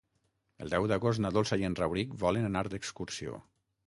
El deu d'agost na Dolça i en Rauric volen anar d'excursió.